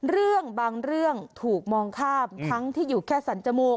เรื่องบางเรื่องถูกมองข้ามทั้งที่อยู่แค่สันจมูก